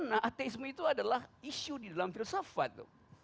bagaimana ateisme itu adalah isu di dalam filsafat